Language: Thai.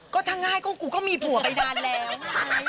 ก็ถ้าง่ายกูก็มีผัวไปด้านแล้วไหม